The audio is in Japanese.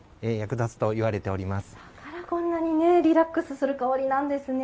だからこんなにリラックスする香りなんですね。